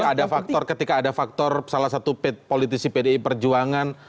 jadi ada faktor ketika ada faktor salah satu politisi pdi perjuangan